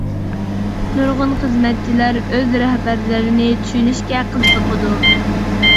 نۇرغۇن خىزمەتچىلەر ئۆز رەھبەرلىرىنى چۈشىنىشكە قىزىقىدۇ.